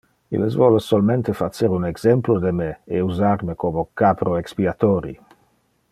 Illes vole solmente facer un exemplo de me e usar me como capro expiatori.